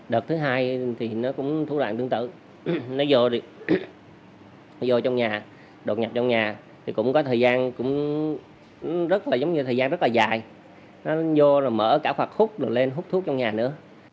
đợt thứ hai thì nó cũng thủ đoạn tương tự nó vô đi vô trong nhà đột nhập trong nhà thì cũng có thời gian cũng rất là giống như thời gian rất là dài nó vô rồi mở cả quạt khúc rồi lên hút thuốc trong nhà nữa